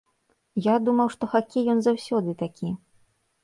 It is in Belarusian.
Я думаў, што хакей ён заўсёды такі.